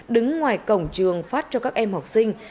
đứng ngoài cổng trường phát cho các em học sinh